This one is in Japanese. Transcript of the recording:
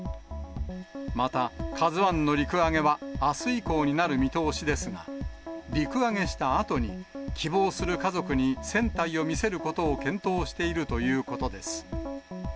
また、ＫＡＺＵＩの陸揚げはあす以降になる見通しですが、陸揚げしたあとに、希望する家族に船体を見せることを検討しているということです。